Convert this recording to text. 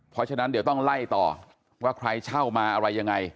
เพราะฉะนั้นเดี๋ยวต้องไล่ต่อว่าใครเช่ามาอะไรยังไง